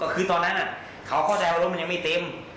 คือตอนนั้นเขาเข้าใจว่ารถมันยังไม่เต็ม